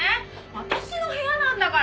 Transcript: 私の部屋なんだから。